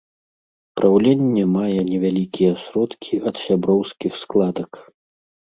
Праўленне мае невялікія сродкі ад сяброўскіх складак.